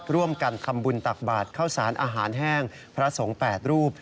ร่วมกันทำบุญตักบาทเข้าสารอาหารแห้งพระสงฆ์๘รูป